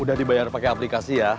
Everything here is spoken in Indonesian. udah dibayar pakai aplikasi ya